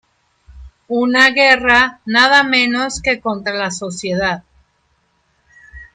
una guerra nada menos que contra la sociedad.